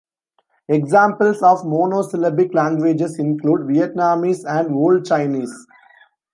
Examples of monosyllabic languages include Vietnamese and Old Chinese.